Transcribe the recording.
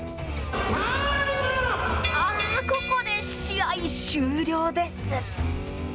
あー、ここで試合終了です。